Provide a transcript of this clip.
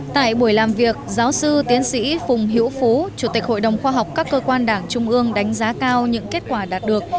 tại buổi làm việc giáo sư tiến sĩ phùng hữu phú chủ tịch hội đồng khoa học các cơ quan đảng trung ương đánh giá cao những kết quả đạt được